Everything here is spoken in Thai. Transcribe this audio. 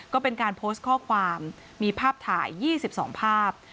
ก็เป็นการโพสต์ข้อความมีภาพถ่าย๒๒ภาพ